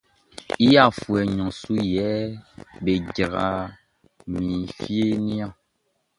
I afuɛ nɲɔn su yɛ be yra mi fieʼn niɔn.